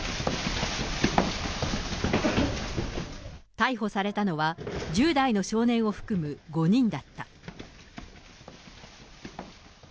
逮捕されたのは、１０代の少年を含む５人だった。